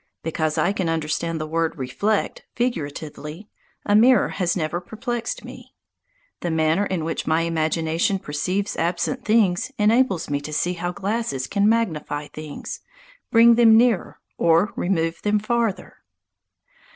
Because I can understand the word "reflect" figuratively, a mirror has never perplexed me. The manner in which my imagination perceives absent things enables me to see how glasses can magnify things, bring them nearer, or remove them farther.